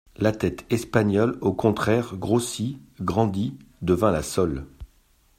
La tête espagnole, au contraire, grossit, grandit, devint la seule.